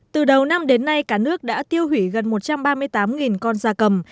từ đầu năm đến nay cả nước đã tiêu hủy gần một trăm ba mươi tám con da cầm